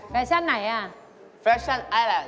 แฟชั่นไหนล่ะแฟชั่นไอรันด์